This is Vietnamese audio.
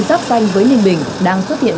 giáp danh với ninh bình đang xuất hiện